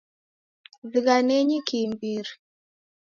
Zighanenyi kiimbiri.